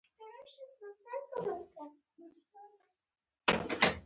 چې له عمومي سړک سره نښلېدل را ورسېدو.